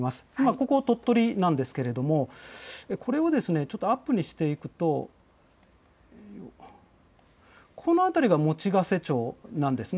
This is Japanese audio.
ここ、鳥取なんですけれども、これをちょっとアップにしていくと、この辺りが用瀬町なんですね。